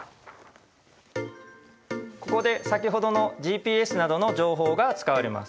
ここで先ほどのＧＰＳなどの情報が使われます。